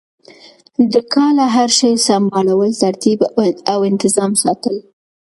د کاله هر شی سمبالول ترتیب او انتظام ساتل